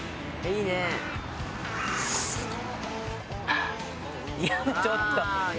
いやちょっと。